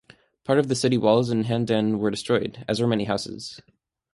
Part of the city walls in Handan were destroyed as were many houses.